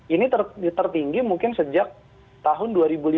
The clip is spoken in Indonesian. ini tertinggi mungkin sejak tahun dua ribu lima belas